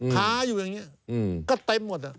ค้าอยู่อย่างนี้ก็เต็มหมด